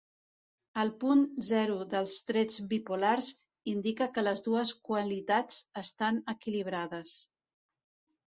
El punt zero dels trets bipolars indica que les dues qualitats estan equilibrades.